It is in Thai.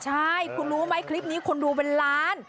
ใช่คุณรู้ไหมคลิปนี้คนดูเป็นล้าน